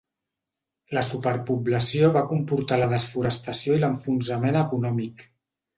La superpoblació va comportar la desforestació i l'enfonsament econòmic.